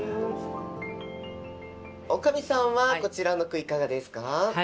女将さんはこちらの句いかがですか？